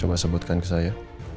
coba sebutkan ke saya